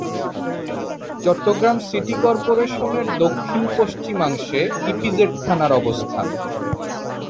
Chittagong city কর্পোরেশনের দক্ষিণ-পশ্চিমাংশে EPZ থানার অবস্থান।